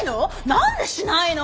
何でしないの？